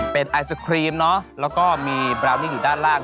เป็นไอศครีมเนอะแล้วก็มีบราวนิ่งอยู่ด้านล่าง